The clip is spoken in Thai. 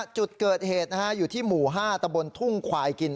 จุดเกิดเหตุอยู่ที่หมู่๕ตะบนทุ่งควายกิน